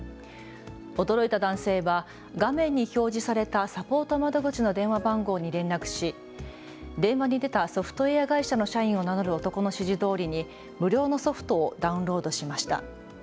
驚いた男性は画面に表示されたサポート窓口の電話番号に連絡し電話に出たソフトウエア会社の社員を名乗る男の指示どおりに無料のソフトをダウンロードしました。